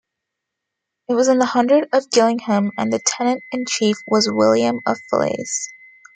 It was in the hundred of Gillingham and the tenant-in-chief was William of Falaise.